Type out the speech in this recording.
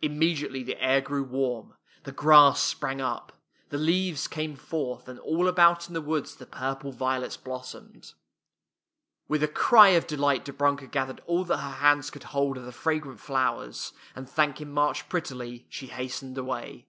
Immediately the air grew warm, the grass sprang up, the leaves came forth, and all about in the woods the purple violets blos somed. With a cry of delight Dobrunka gath ered all that her hands could hold of the fragrant flowers, and thanking March pret tily, she hastened away.